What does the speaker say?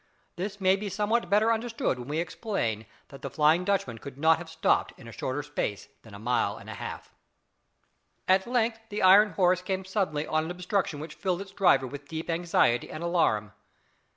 This may be somewhat better understood when we explain that the "Flying Dutchman" could not have been stopped in a shorter space than one mile and a half. At length the iron horse came suddenly on an obstruction which filled its driver with deep anxiety and alarm.